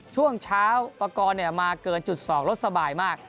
ช่วงเช้าประกอบมาเกินจุด๒รถสบายมาก